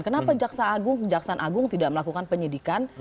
kenapa jaksa agung kejaksaan agung tidak melakukan penyidikan